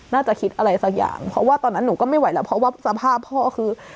น่าจะคิดอะไรสักอย่างเพราะว่าตอนนั้นหนูก็ไม่ไหวแล้วเพราะว่าสภาพพ่อคือ